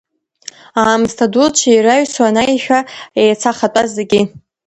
Аамсҭа дуцәа ираҩсуан аишәа еицахатәаз зегьы.